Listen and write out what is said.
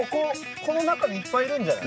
この中にいっぱいいるんじゃない？